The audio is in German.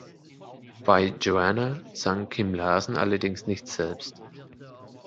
Bei "Joanna" sang Kim Larsen allerdings nicht selbst.